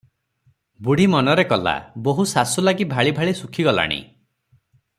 ବୁଢ଼ୀ ମନରେ କଲା, ବୋହୂ ଶାଶୁ ଲାଗି ଭାଳି ଭାଳି ଶୁଖି ଗଲାଣି ।